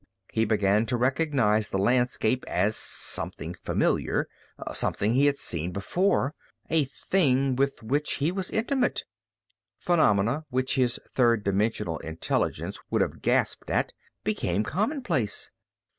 He began to recognize the landscape as something familiar, something he had seen before, a thing with which he was intimate. Phenomena, which his third dimensional intelligence would have gasped at, became commonplace.